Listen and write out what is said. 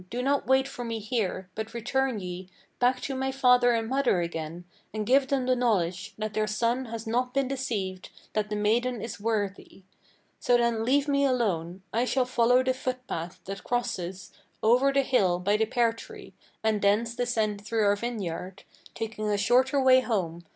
Do not wait for me here; but return ye Back to my father and mother again, and give them the knowledge That their son has not been deceived, that the maiden is worthy. So then leave me alone! I shall follow the footpath that crosses Over the hill by the pear tree, and thence descends through our vineyard, Taking a shorter way home.